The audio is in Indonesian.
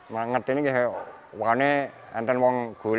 saya mengerti bahwa jika orang gulai saya saya akan menjadi fosil